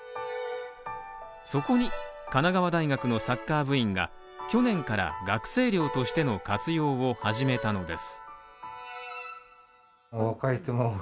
そこに、神奈川大学のサッカー部員が去年から、学生寮としての活用を始めたのです。